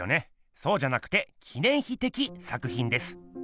そうじゃなくて記念碑的作品です。